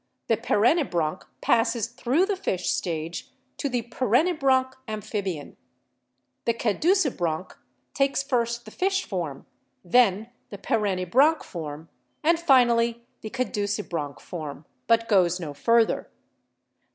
The perennibranch passes through the fish stage to the perennibranch amphibian. The caducibranch takes first the fish form, then the perennibranch form, and finally the caducibranch form, but goes no further.